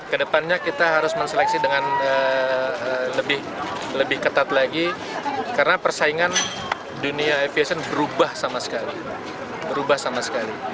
kedepannya kita harus menseleksi dengan lebih ketat lagi karena persaingan dunia aviation berubah sama sekali berubah sama sekali